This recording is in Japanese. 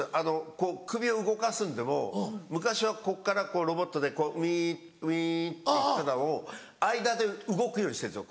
こう首を動かすのでも昔はこっからこうロボットでウィンウィンってやってたのを間で動くようにしてるんですよ。